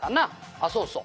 あっそうそう